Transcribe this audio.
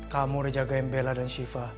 kamu udah jagain bella dan shiva